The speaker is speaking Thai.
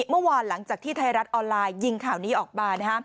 เมื่อวานหลังจากที่ไทยรัฐออนไลน์ยิงข่าวนี้ออกมา